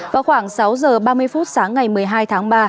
vào khoảng sáu giờ ba mươi phút sáng ngày một mươi hai tháng ba